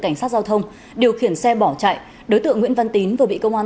cảnh sát giao thông điều khiển xe bỏ chạy đối tượng nguyễn văn tín vừa bị công an